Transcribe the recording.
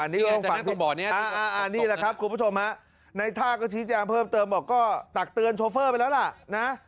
นี่นี่แหละครับคุณผู้ชมฮะในท่าก็ชี้แจงเพิ่มเติมบอกก็ตักเตือนโชเฟอร์ไปแล้วล่ะนะ